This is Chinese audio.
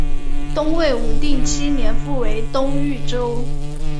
东魏武定七年复为东豫州。